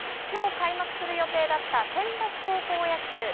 きょう開幕する予定だったセンバツ高校野球。